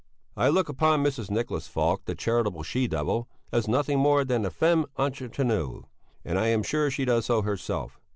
I look upon Mrs. Nicholas Falk, the charitable she devil, as nothing more than a femme entretenue, and I am sure she does so herself.